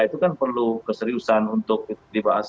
itu kan perlu keseriusan untuk dibahas secara berbahasa